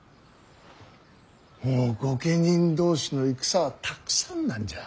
もう御家人同士の戦はたくさんなんじゃ。